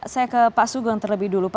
saya ke pak sugeng terlebih dulu